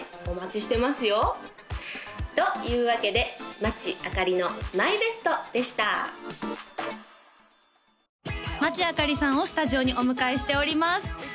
お待ちしてますよというわけで町あかりのＭＹＢＥＳＴでした町あかりさんをスタジオにお迎えしております